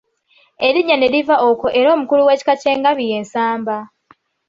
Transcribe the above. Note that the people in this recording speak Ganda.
Erinnya ne liva okwo era omukulu w’ekika ky’engabi ye Nsamba.